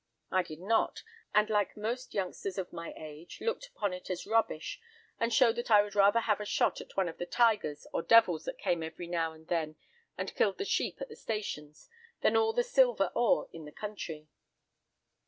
I did not, and like most youngsters of my age, looked upon it as rubbish, and showed that I would rather have had a shot at one of the 'tigers' or 'devils' that came every now and then and killed the sheep at the stations than all the silver ore in the country.